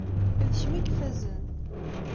D kemm i ifazen.